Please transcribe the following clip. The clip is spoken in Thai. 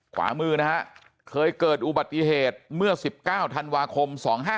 ขวามือนะฮะเคยเกิดอุบัติเหตุเมื่อ๑๙ธันวาคม๒๕๖